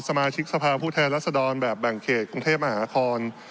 สมาชิกสภาพผู้แทนรัศดรแบบแบ่งเขตกรุงเทพมหานคร